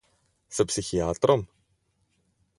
S psihiatrom?